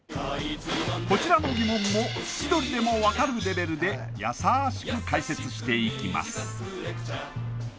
こちらの疑問も千鳥でも分かるレベルでやさしく解説していきます